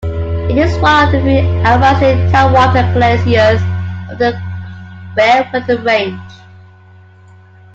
It is one of the few advancing tidewater glaciers of the Fairweather Range.